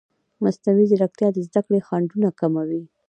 مصنوعي ځیرکتیا د زده کړې خنډونه کموي.